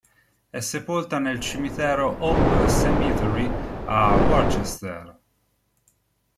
È sepolta nel cimitero Hope Cemetery, a Worcester.